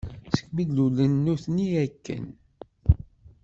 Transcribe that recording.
Segmi d-lulen nutni akken.